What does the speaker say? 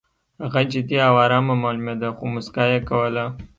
هغه جدي او ارامه معلومېده خو موسکا یې کوله